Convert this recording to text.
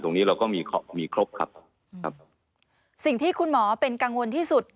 เราก็มีมีครบครับครับสิ่งที่คุณหมอเป็นกังวลที่สุด